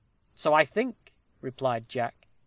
"So I think," replied Jack.